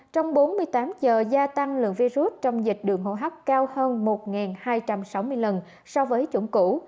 trong bốn mươi tám giờ gia tăng lượng virus trong dịch đường hô hấp cao hơn một hai trăm sáu mươi lần so với chủng cũ